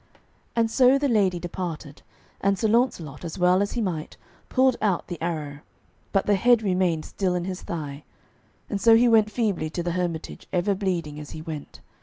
And so the lady departed, and Sir Launcelot, as well as he might, pulled out the arrow, but the head remained still in his thigh; and so he went feebly to the hermitage, ever bleeding as he went.